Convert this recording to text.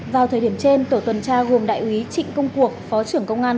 vào thời điểm trên tổ tuần tra gồm đại úy trịnh công cuộc phó trưởng công an